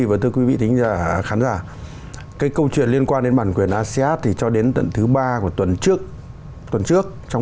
baik cộng quyền của giao chuyên esa tiền của hoạt động